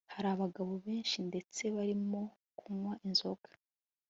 hari abagabo benshi ndetse barimo kunywa inzoga